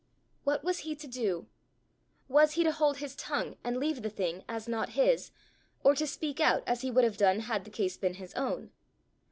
What was he to do? Was he to hold his tongue and leave the thing as not his, or to speak out as he would have done had the case been his own?